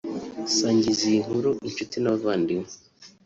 sangiza iyi nkuru inshuti n’abavandimwe